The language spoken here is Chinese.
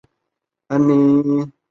树火纪念纸博物馆管理。